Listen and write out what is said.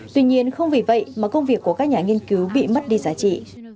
tuy nhiên không vì vậy mà công việc của các nhà nghiên cứu bị mất đi giá trị